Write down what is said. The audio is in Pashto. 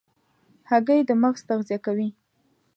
هګۍ د مغز تغذیه کوي.